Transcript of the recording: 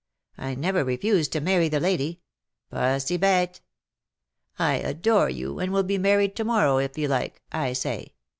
I never refuse to marry the lady — pas si bete :' I adore you, and we^ll be married to morrow if you like/ I say.